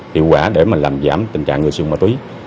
hiệu quả để làm giảm tình trạng người siêu ma túy